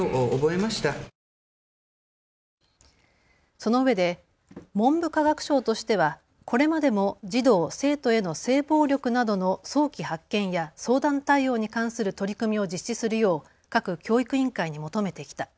そのうえで文部科学省としてはこれまでも児童・生徒への性暴力などの早期発見や相談対応に関する取り組みを実施するよう各教育委員会に求めてきた。